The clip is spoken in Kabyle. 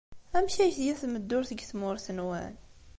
Amek ay tga tmeddurt deg tmurt-nwen?